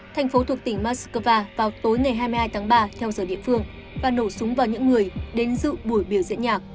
thành phố thuộc tỉnh moscow vào tối ngày hai mươi hai tháng ba theo giờ địa phương và nổ súng vào những người đến dự buổi biểu diễn nhạc